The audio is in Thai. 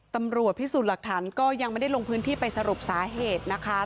ตำรวจพิสูจน์หลักฐานก็ยังไม่ได้ลงพื้นที่ไปสรุปสาเหตุนะคะ